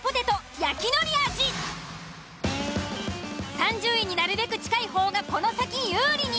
３０位になるべく近い方がこの先有利に。